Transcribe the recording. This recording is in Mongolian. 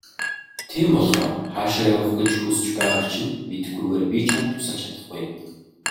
Тийм болохоор хаашаа явах гэж хүс байгааг чинь мэдэхгүйгээр би чамд тусалж чадахгүй.